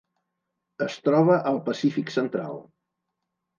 Es troba al Pacífic central: